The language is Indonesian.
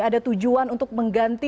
ada tujuan untuk mengganti